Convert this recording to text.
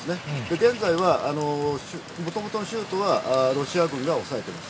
現在は、もともとの州都はロシア軍がおさえてます。